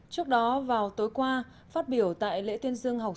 trước đó vào tối qua phát biểu tại lễ tuyên dương học